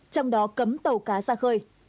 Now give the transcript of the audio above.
trong đó cấm tàu cá ra khơi